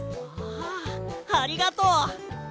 ああありがとう！